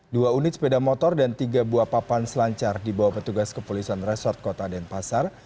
dua unit sepeda motor dan tiga buah papan selancar dibawa petugas kepolisian resort kota denpasar